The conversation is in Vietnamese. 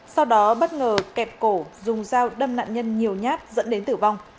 sau đó bất ngờ kẹp cổ dung giao đâm nạn nhân nhiều nhát dẫn đến tử vong